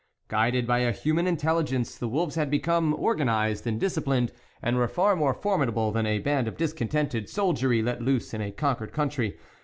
Guided by a human intelligence, the wolves had become or ganised and disciplined, and were far more formidable than a band of discontented soldiery let loose in a conquered country.